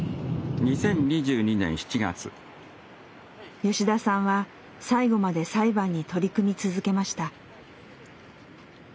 吉田さんは最後まで裁判に取り組み続けました。